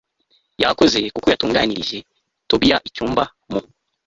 yakoze kuko yatunganirije Tobiya icyumba mu